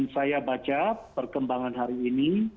saya baca perkembangan hari ini